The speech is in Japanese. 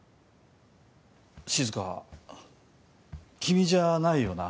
静君じゃないよな？